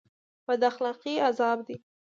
بد اخلاقي عذاب دی